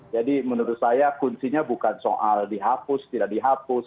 jadi menurut saya kuncinya bukan soal dihapus tidak dihapus